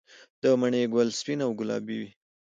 د مڼې ګل سپین او ګلابي وي؟